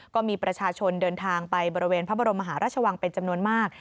ก็มีประชาชนเดินทางไปบริเวณพระบรมมหาราชวังเป็นจำนวนมาก